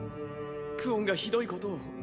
クオンがひどいことを。